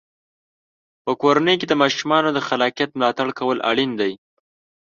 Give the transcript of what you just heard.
په کورنۍ کې د ماشومانو د خلاقیت ملاتړ کول اړین دی.